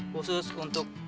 khusus untuk kamu